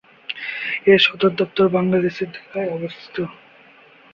এর সদরদপ্তর বাংলাদেশের ঢাকায় অবস্থিত।